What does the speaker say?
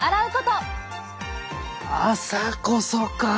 朝こそか。